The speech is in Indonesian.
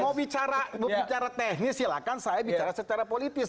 kalau bicara teknis silahkan saya bicara secara politis